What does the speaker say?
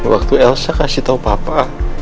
waktu elsa kasih tahu papa